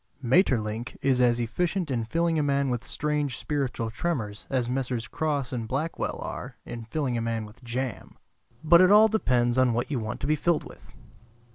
Maeterlinck is as efficient in filling a man with strange spiritual tremors as Messrs. Crosse and Blackwell are in filling a man with jam. But it all depends on what you want to be filled with.